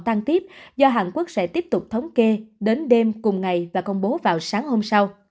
tăng tiếp do hàn quốc sẽ tiếp tục thống kê đến đêm cùng ngày và công bố vào sáng hôm sau